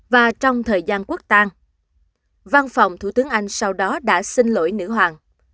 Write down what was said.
và trong thời gian quốc tan văn phòng thủ tướng anh sau đó đã xin lỗi nữ hoàng